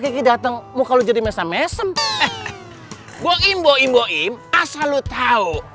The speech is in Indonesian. kiki dateng muka lu jadi mesem mesem boim boim boim asal lu tau